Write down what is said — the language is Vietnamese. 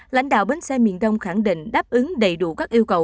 lãnh đạo bến xe miền đông khẳng định đáp ứng đầy đủ các yêu cầu